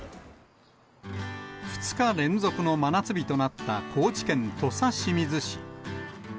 ２日連続の真夏日となった高知県土佐清水市。